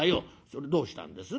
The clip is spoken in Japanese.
「それどうしたんです？」。